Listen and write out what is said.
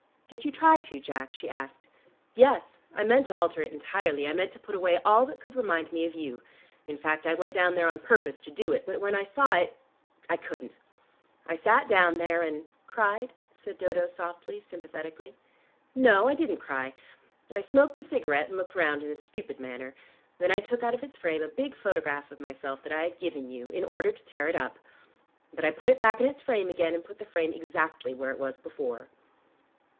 "Did you try to, Jack?" she asked. "Yes. I meant to alter it entirely: I meant to put away all that could remind me of you. In fact, I went down there on purpose to do it. But when I saw it, I couldn't. I sat down there, and " "Cried?" said Dodo softly, sympathetically. "No, I didn't cry. I smoked a cigarette and looked round in a stupid manner. Then I took out of its frame a big photograph of myself that I had given you, in order to tear it up. But I put it back in its frame again, and put the frame exactly where it was before."